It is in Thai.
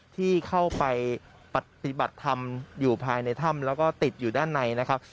ที่เข้าไปปฏิบัติธรรมอยู่ภายในถ้ำแล้วก็ติดอยู่ด้านในนะครับ